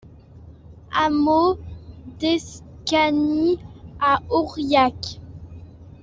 Hameau d'Escanis à Aurillac